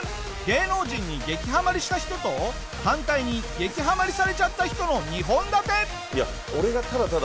芸能人に激ハマりした人と反対に激ハマりされちゃった人の２本立て！